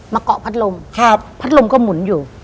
เกาะพัดลมพัดลมก็หมุนอยู่